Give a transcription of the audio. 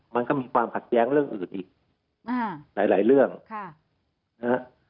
มันก็มีความขัดแย้งเรื่องอื่นอีกหลายหลายเรื่องค่ะนะฮะ